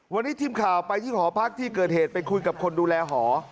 วันนี้ทีมข่าวไปที่หอพักที่เกิดเหตุไปคุยกับคนดูแลหอ